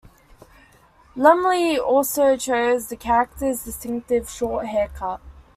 Lumley also chose the character's distinctive short haircut.